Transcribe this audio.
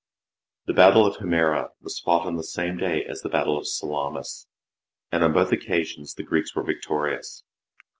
The battle of Himera was fought oil the same day as the battle of Salamis, and on both occasions the Greeks were victorious.